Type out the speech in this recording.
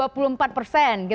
peningkatannya juga tidak kecil